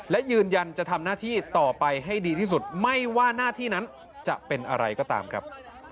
และยืนยันจะทำหน้าที่ต่อไปให้ดีที่สุดไม่ว่าหน้าที่นั้นจะเป็นอะไรก็ตามครับ